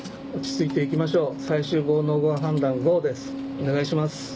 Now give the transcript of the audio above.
・お願いします。